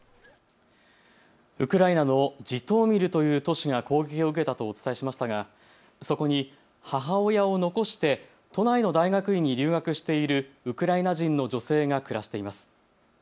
ウクライナのジトーミルという都市が攻撃を受けたとお伝えしましたがそこに母親を残して都内の大学院に留学しているウクライナ人の女性が暮らしています。